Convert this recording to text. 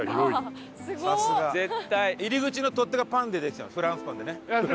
すごい！入り口の取っ手がパンでできたフランスパンでね。